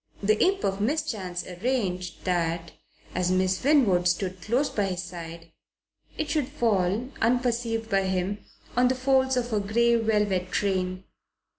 The Imp of Mischance arranged that as Miss Winwood stood close by his side, it should fall, unperceived by him, on the folds of her grey velvet train.